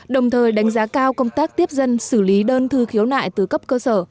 đồng thời đánh giá cao công tác tiếp dân xử lý đơn thư khiếu nại từ cấp cơ sở